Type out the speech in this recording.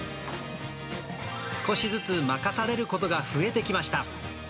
少しずつ任されることが増えてきました。